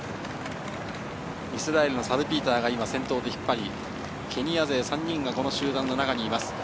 イスラエルのサルピーターが先頭で引っ張り、ケニア勢３人が先頭の中にいます。